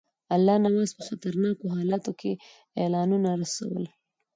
الله نواز په خطرناکو حالاتو کې اعلانونه رسول.